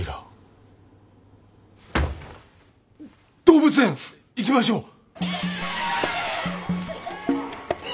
動物園行きましょう！